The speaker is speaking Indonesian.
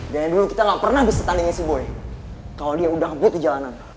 dari dulu kita nggak pernah bisa tandingin si boy kalau dia udah ngebut di jalanan